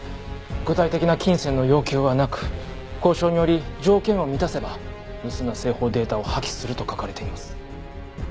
具体的な金銭の要求はなく「交渉により条件を満たせば盗んだ製法データを破棄する」と書かれています。